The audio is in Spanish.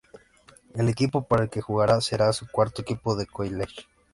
El equipo para el que jugara será su cuarto equipo de college.